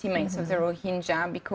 untuk orang rohingya karena